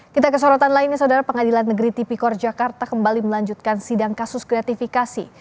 kita ke sorotan lainnya saudara pengadilan negeri tipikor jakarta kembali melanjutkan sidang kasus gratifikasi